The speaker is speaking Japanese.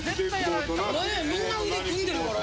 ねえみんな腕組んでるから。